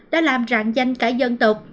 đã làm rạng danh cả dân tộc